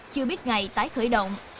chưa biết ngày tái khởi động